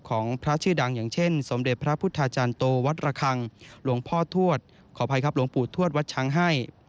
ของพระชื่อดังอย่างเช่นสมเด็จพระพุทธาจารย์โตวัดระคังหลวงพ่อทวดขออภัยครับหลวงปู่ทวดวัดช้างให้